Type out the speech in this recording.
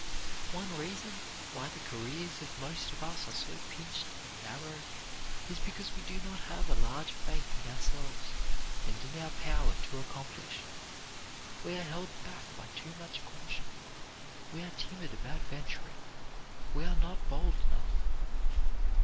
One reason why the careers of most of us are so pinched and narrow, is because we do not have a large faith in ourselves and in our power to accomplish. We are held back by too much caution. We are timid about venturing. We are not bold enough.